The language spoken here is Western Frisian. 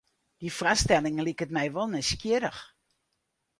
Dy foarstelling liket my wol nijsgjirrich.